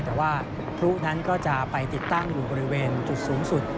แต่ว่าพลุนั้นก็จะไปติดตั้งอยู่บริเวณจุดสูงสุด